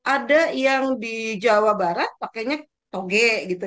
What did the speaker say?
ada yang di jawa barat pakainya toge